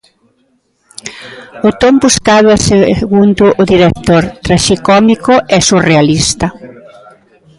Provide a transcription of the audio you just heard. O ton buscado é, segundo o director, "traxicómico e surrealista".